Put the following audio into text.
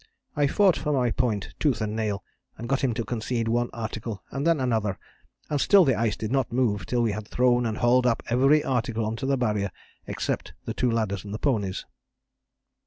I fought for my point tooth and nail, and got him to concede one article and then another, and still the ice did not move till we had thrown and hauled up every article on to the Barrier except the two ladders and the ponies.